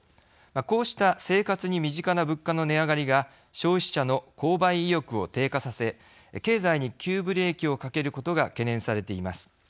こうした生活に身近な物価の値上がりが消費者の購買意欲を低下させ経済に急ブレーキをかけることが懸念されています。